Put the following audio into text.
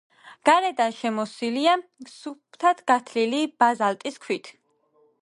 გარედან შემოსილია სუფთად გათლილი ბაზალტის ქვით.